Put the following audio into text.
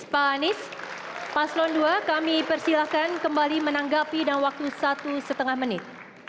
pak anies paslon dua kami persilahkan kembali menanggapi dalam waktu satu setengah menit